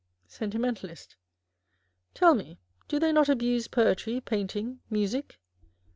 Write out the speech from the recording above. Sentimentalist. Tell me, do they not abuse poetry, paint ing, music